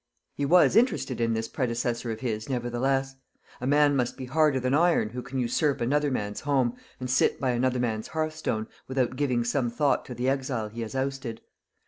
He was interested in this predecessor of his nevertheless. A man must be harder than iron who can usurp another man's home, and sit by another man's hearthstone, without giving some thought to the exile he has ousted.